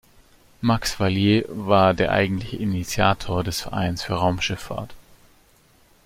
Max Valier war der eigentliche Initiator des Vereins für Raumschiffahrt.